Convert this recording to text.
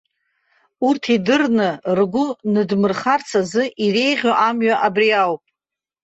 Урҭ идырны ргәы ныдмырхарц азы иреиӷьу амҩа абри ауп.